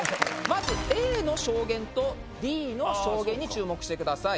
Ａの証言とＤの証言に注目してください。